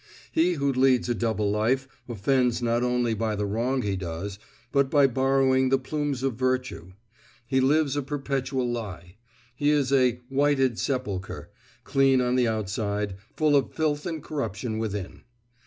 He who leads a double life offends not only by the wrong he does, but by borrowing the plumes of virtue. He lives a perpetual lie; he is "a whited sepulchre, clean on the outside, full of filth and corruption within."